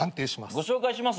ご紹介します。